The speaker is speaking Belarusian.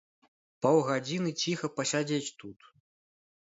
Паўгадзіны ціха пасядзець тут.